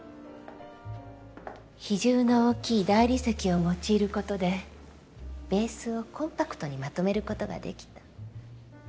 比重の大きい大理石を用いることでベースをコンパクトにまとめることができた。